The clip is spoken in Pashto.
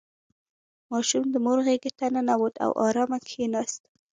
• ماشوم د مور غېږې ته ننوت او آرام کښېناست.